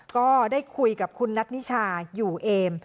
ก็ได้คุยกับคุณนัทนิชาอยู่เอม